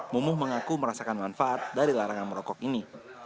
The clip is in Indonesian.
mumuh mengaku merasakan manfaat dari larangan merokok ini